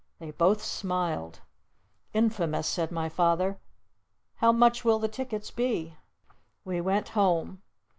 They both smiled! "Infamous!" said my Father. "How much will the tickets be?" We went home.